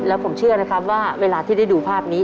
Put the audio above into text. แล้วผมเชื่อนะครับว่าเวลาที่ได้ดูภาพนี้